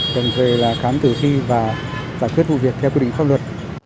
đồng thời là khám tử thi và giải quyết vụ việc theo quy định pháp luật